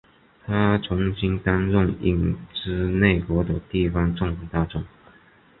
他曾经担任影子内阁的地方政府大臣。